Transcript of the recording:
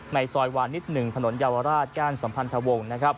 ในซอยวานิด๑ถนนเยาวราชก้านสัมพันธวงศ์